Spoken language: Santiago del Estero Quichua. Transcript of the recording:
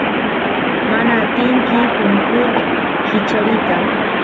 mana atinki punkut kichariyta